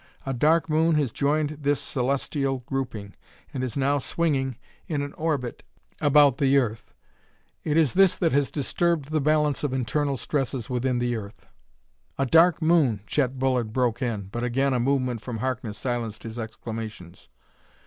A dark moon has joined this celestial grouping, and is now swinging in an orbit about the earth. It is this that has disturbed the balance of internal stresses within the earth ""A dark moon!" Chet Bullard broke in, but again a movement from Harkness silenced his exclamations.